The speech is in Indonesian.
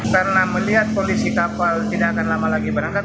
karena melihat polisi kapal tidak akan lama lagi berangkat